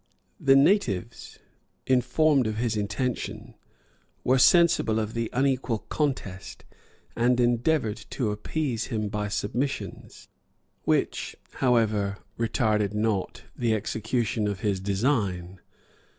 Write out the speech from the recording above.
The natives, informed of his intention, were sensible of the unequal contest, and endeavored to appease him by submissions, which, however, retarded not the execution of his design.